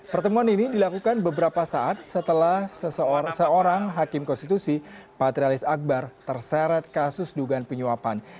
pertemuan ini dilakukan beberapa saat setelah seorang hakim konstitusi patrialis akbar terseret kasus dugaan penyuapan